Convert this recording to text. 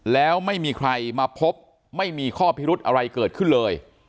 แล้วไม่มีใครมาพบไม่มีข้อพิรุธอะไรเกิดขึ้นเลย